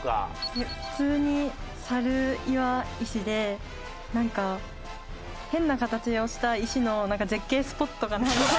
普通に「さるいわいし」でなんか変な形をした石の絶景スポットかなんか。